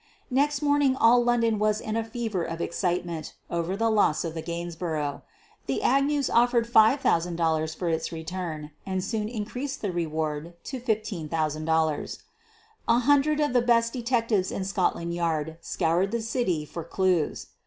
Next morning all London was in a fever of excite ment over the loss of the Gainsborough. The Ag news offered $5,000 for its return and soon increased the reward to $15,000. A hundred of the best de tectives in Scotland Yard scoured the city for clews.